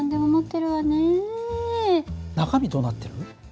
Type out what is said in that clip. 中身どうなってる？